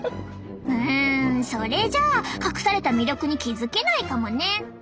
うんそれじゃあ隠された魅力に気付けないかもね！